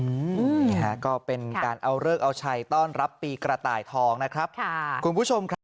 นี่ฮะก็เป็นการเอาเลิกเอาชัยต้อนรับปีกระต่ายทองนะครับค่ะคุณผู้ชมครับ